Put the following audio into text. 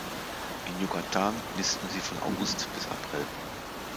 In Yucatán nisten sie von August bis April.